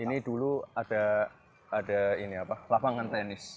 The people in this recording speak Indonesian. ini dulu ada lapangan tenis